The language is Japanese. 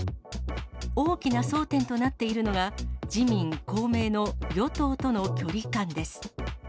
大きな争点となっているのが、自民、公明の与党との距離感です。